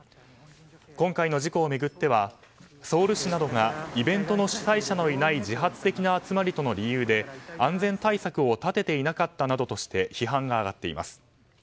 今回の事故を巡ってはソウル市などがイベントの主催者のいない自発的な集まりとの理由で安全対策を立てていなかったなどとして批判が上がっています。